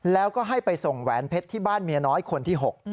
แล้วก็ให้ไปส่งแหวนเพชรที่บ้านเมียน้อยคนที่๖